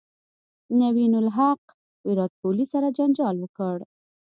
نوین الحق ویرات کوهلي سره جنجال وکړ